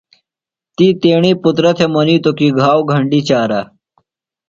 تی تیݨی پُترہ تھےۡ منِیتوۡ کی گھاؤ گھنڈیۡ چارہ۔